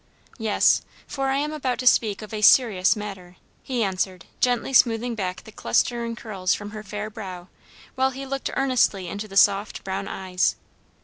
"Yes, for I am about to speak of a serious matter," he answered, gently smoothing back the clustering curls from her fair brow, while he looked earnestly into the soft brown eyes.